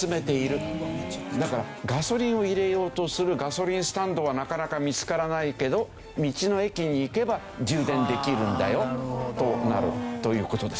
だからガソリンを入れようとするガソリンスタンドはなかなか見つからないけど道の駅に行けば充電できるんだよとなるという事ですね。